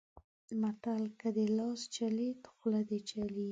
متل؛ که دې لاس چلېد؛ خوله دې چلېږي.